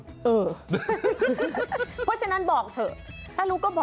เพราะฉะนั้นบอกเถอะ